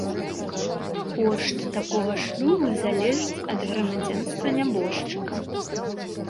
Кошт такога шлюбу залежыць ад грамадзянства нябожчыка.